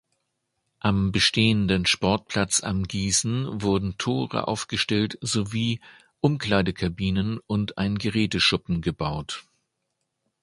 Am bestehenden Sportplatz am Gießen wurden Tore aufgestellt sowie Umkleidekabinen und ein Geräteschuppen gebaut.